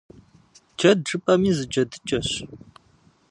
Джэд жыпӏэми зы джэдыкӏэщ.